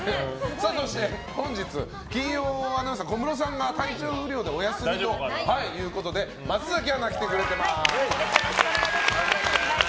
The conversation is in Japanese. そして本日金曜アナウンサー小室さんが体調不良でお休みということで松崎アナが来てくれてます。